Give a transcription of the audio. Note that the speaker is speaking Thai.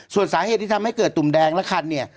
ส่วนสาเหตุที่ทำให้เกิดตุ่มแดงและคันเนี่ย